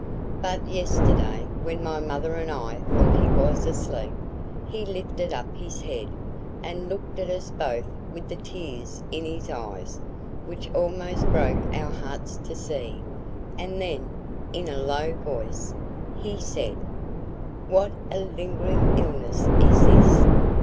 But yesterday, when my mother and I thought he was asleep, he lifted up his head, and looked at us both with the tears in his eyes, which almost broke our hearts to see, and then, in a low voice, he said 'What a lingering illness is this!